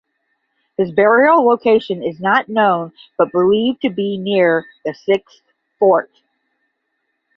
His burial location is not known but believed to be near the Sixth Fort.